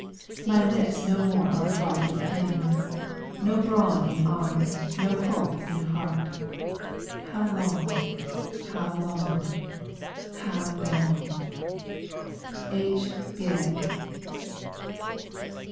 My lips no more are fraught with hymns, No brawn in arm, no hope in heart.... How long, how long, how long?" H. BYALIK.